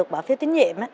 bỏ phiếu tín nhiệm